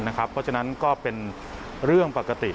เพราะฉะนั้นก็เป็นเรื่องปกติ